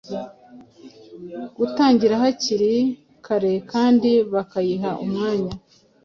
gutangira hakiri kare kandi bakayiha umwanya